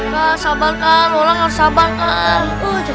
pak sabar ala allah harus sabar ala allah